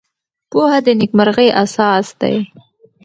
پوهه د نېکمرغۍ اساس دی.